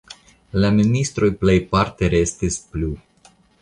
La ministroj plejparte restis plu.